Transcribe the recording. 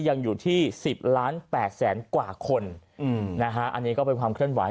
ยังอยู่ที่๑๐๘๐๐๐๐๐กว่าคนอันนี้ก็เป็นความเคลื่อนไหว